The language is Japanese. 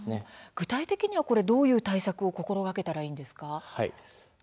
具体的にはどういう対策を心がけたらいいですか。